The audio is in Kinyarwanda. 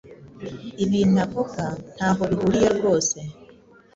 Ibintu avuga ntaho bihuriye rwose.